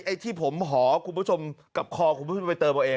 ไอ้ที่ผมหอคุณผู้ชมกับคอคุณผู้ชมไปเติมเอาเอง